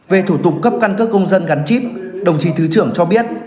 về thủ tục cấp căn cước công dân gắn chip đồng chí thứ trưởng cho biết